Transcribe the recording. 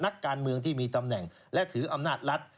นักการเมืองที่มีตำแหน่งและถืออำนาจรัฐ